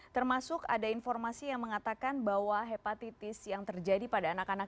termasuk ada informasi yang mengatakan bahwa hepatitis yang terjadi pada anak anak